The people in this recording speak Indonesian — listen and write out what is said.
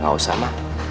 gak usah ma